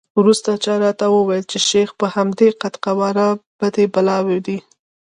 وروسته چا راته وویل چې شیخ په همدې قد وقواره بدي بلا دی.